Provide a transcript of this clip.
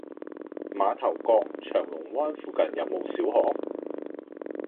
馬頭角翔龍灣附近有無小學？